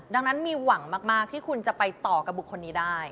ดังนั้นมีหวังมากที่คุณจะไปต่อกับบุคคลนี้ได้